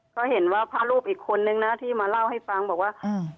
ก็เห็นว่าพระรูปอีกคนนึงนะที่มาเล่าให้ฟังบอกว่าอืม